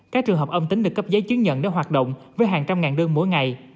các trường hợp âm tính được cấp giấy chứng nhận để hoạt động với hàng trăm ngàn đơn mỗi ngày